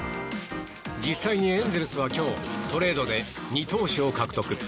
実際にエンゼルスは今日、トレードで２投手を獲得。